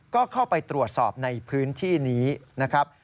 ก็เข้าไปตรวจสอบในพื้นที่นี้นะครับ